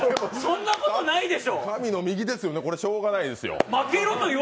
神の右ですよね、しようがないですよ。